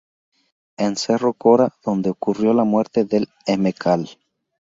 En Cerro Corá, donde ocurrió la muerte del Mcal.